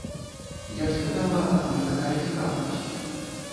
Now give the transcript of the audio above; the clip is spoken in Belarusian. Я спытала, адкуль такая цікаўнасць.